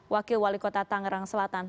wakil wali kota tangerang selatan